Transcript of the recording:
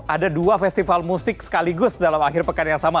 ada dua festival musik sekaligus dalam akhir pekan yang sama